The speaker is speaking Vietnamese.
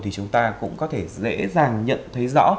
thì chúng ta cũng có thể dễ dàng nhận thấy rõ